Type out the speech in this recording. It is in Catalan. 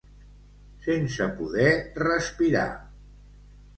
Sense poder respirar.